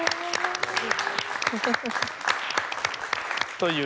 という。